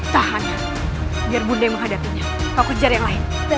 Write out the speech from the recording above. tahanlah biar bunda yang menghadapinya kau kejar yang lain